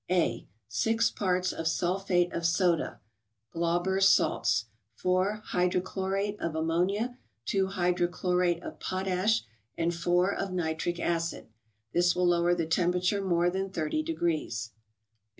A. —Six parts of sulphate of soda (Glauber's salts), 4 hydrochlorate of ammonia, 2 hydrochlorate of potash, and 4 of nitric acid. This will lower the temperature more than 30 degrees.